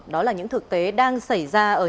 đó là những thực tế đang xảy ra ở nhiều nơi